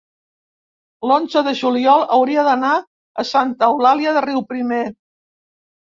l'onze de juliol hauria d'anar a Santa Eulàlia de Riuprimer.